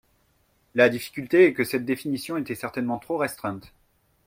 La difficulté est que cette définition était certainement trop restreinte.